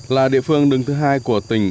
là địa phương đường thứ hai của tỉnh